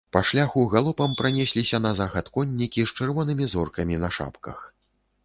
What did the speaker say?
Па шляху галопам пранесліся на захад коннікі з чырвонымі зоркамі на шапках.